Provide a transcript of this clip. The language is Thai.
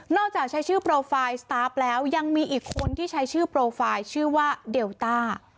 จากใช้ชื่อโปรไฟล์สตาร์ฟแล้วยังมีอีกคนที่ใช้ชื่อโปรไฟล์ชื่อว่าเดลต้า